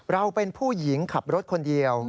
เราเป็นผู้หญิงขับรถคนเดียว